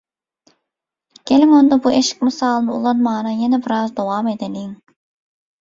Geliň onda bu eşik mysalyny ulanmana ýene biraz dowam edeliň.